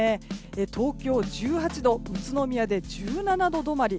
東京、１８度宇都宮で１７度止まり。